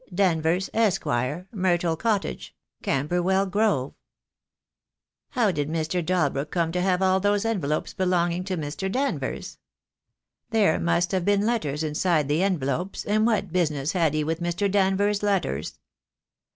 Danvers, Esq., Myrtle Cottage, Camberwell Grove. How did Mr. Dalbrook come to have all those envelopes belonging to Mr. Danvers? There must have been letters inside the envelopes, and what business had he with Mr. Danvers' letters?"